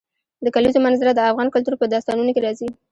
د کلیزو منظره د افغان کلتور په داستانونو کې راځي.